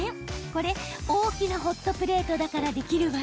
これ大きなホットプレートだからできる技。